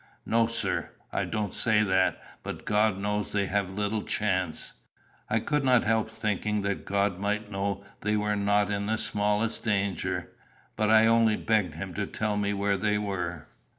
"No, sir; I don't say that; but God knows they have little chance." I could not help thinking that God might know they were not in the smallest danger. But I only begged him to tell me where they were.